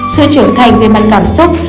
sự trưởng thành về mặt cảm xúc